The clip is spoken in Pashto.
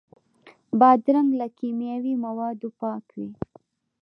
بادرنګ له کیمیاوي موادو پاک وي.